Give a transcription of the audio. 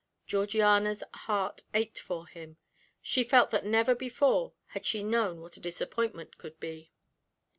Georgiana's heart ached for him; she felt that never before had she known what a disappointment could be.